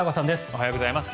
おはようございます。